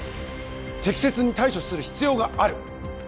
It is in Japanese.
適切に対処する必要がある！